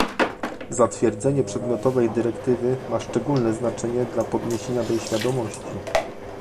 Zatwierdzenie przedmiotowej dyrektywy ma szczególne znaczenie dla podniesienia tej świadomości